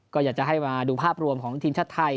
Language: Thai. ก็อยากจะให้มาดูภาพรวมของทีมชาติไทย